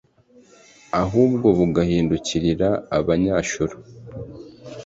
ahubwo bugahindukirira Abanyashuru.